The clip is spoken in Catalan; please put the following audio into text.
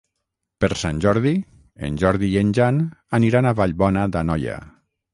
Per Sant Jordi en Jordi i en Jan aniran a Vallbona d'Anoia.